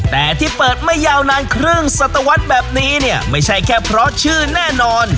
แต่ที่เปิดไม่ยาวนานครึ่งสัตวรรษแบบนี้เนี่ยไม่ใช่แค่เพราะชื่อแน่นอน